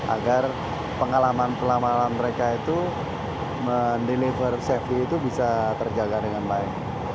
agar pengalaman pengalaman mereka itu mendeliver safety itu bisa terjaga dengan baik